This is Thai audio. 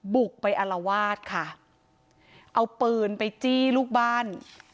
บุกไปอารวาสค่ะเอาปืนไปจี้ลูกบ้าน